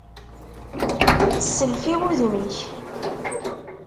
Sself i wudem-ik!